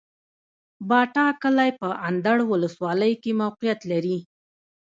باټا کلی په اندړ ولسوالۍ کي موقعيت لري